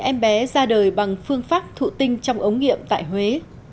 em bé ra đời bằng phương pháp thụ tinh trong ống nghiệm tại huế